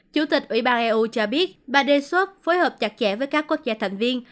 chủ tịch ủy ban eu cho biết bà đề xuất phối hợp chặt chẽ với các quốc gia thành viên